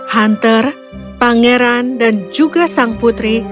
hunter pangeran dan juga sang putri